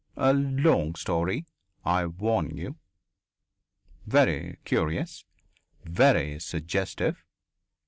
A long story, I warn you. Very curious. Very suggestive.